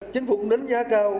chính phủ đánh giá cao